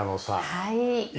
はい。